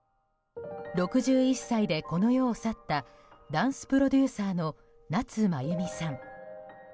６１歳でこの世を去ったダンスプロデューサーの夏まゆみさん。